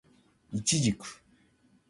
イチジク